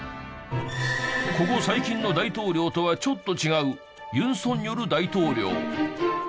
ここ最近の大統領とはちょっと違うユン・ソンニョル大統領。